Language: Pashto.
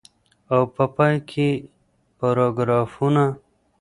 او په پای کي پاراګرافونه.